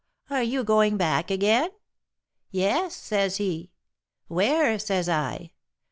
are you going back again?' 'Yes,' says he. 'Where?' says I.